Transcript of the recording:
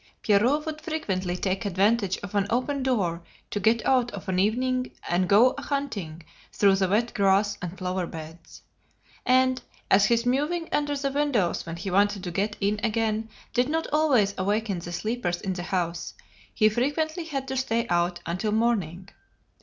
Pierrot would frequently take advantage of an open door to get out of an evening and go a hunting through the wet grass and flower beds: and, as his mewing under the windows when he wanted to get in again did not always awaken the sleepers in the house, he frequently had to stay out until morning.